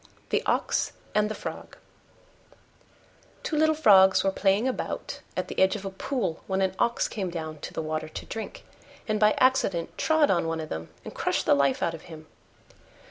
THE OX AND THE FROG Two little Frogs were playing about at the edge of a pool when an Ox came down to the water to drink, and by accident trod on one of them and crushed the life out of him.